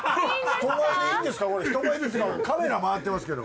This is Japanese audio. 人前ですがカメラ回ってますけど。